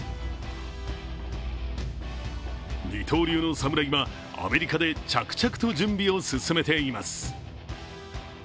二刀流の侍はアメリカで着々と準備を進めています。